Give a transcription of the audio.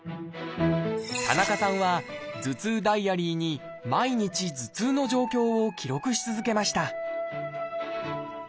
田中さんは「頭痛ダイアリー」に毎日頭痛の状況を記録し続けました